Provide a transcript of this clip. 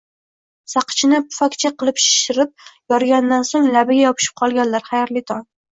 Saqichini pufakcha qilib shishirib, yorgandan so'ng labiga yopishib qolganlar, xayrli tong!